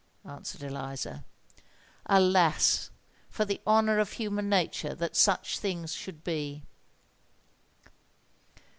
answered Eliza. "Alas! for the honour of human nature that such things should be!"